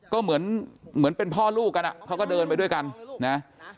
ก็เหมือนเหมือนเป็นพ่อลูกกันเขาก็เดินไปด้วยกันนะ